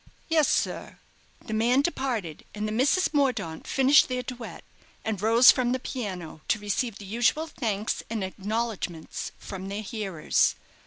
"Yes, sir." The man departed; and the Misses Mordaunt finished their duet, and rose from the piano, to receive the usual thanks and acknowledgments from their hearers.